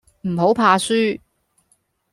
唔好怕輸